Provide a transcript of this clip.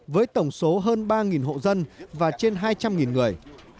với tổng số hơn ba hộ dân và trên hai trăm linh người